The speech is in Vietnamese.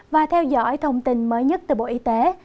và theo dõi thông tin mới nhất từ bộ y tế